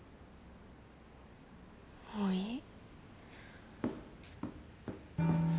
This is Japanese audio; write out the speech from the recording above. もういい。